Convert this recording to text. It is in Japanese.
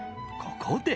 ここで。